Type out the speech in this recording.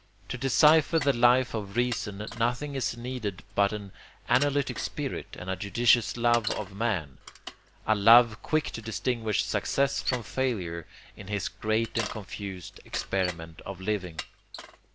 To decipher the Life of Reason nothing is needed but an analytic spirit and a judicious love of man, a love quick to distinguish success from failure in his great and confused experiment of living.